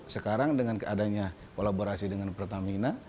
sekarang dengan adanya kolaborasi dengan pertamina